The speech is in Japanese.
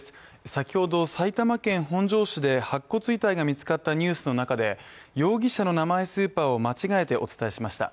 先ほど埼玉県本庄市で白骨遺体が見つかったニュースの中で、容疑者の名前スーパーを間違えてお伝えしました。